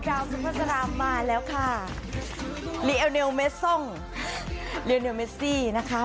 ดาวน์ซุปเปอร์สารามมาแล้วค่ะเรียลเนียลเมซซ่งเรียลเนียลเมซซี่นะคะ